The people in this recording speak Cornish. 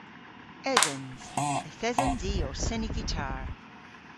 Esens. Yth esens i ow seni gitar.